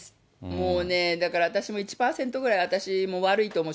もうね、だから、私も１％くらい、私も悪いと思う。